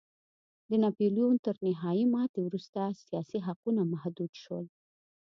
د ناپلیون تر نهايي ماتې وروسته سیاسي حقونه محدود شول.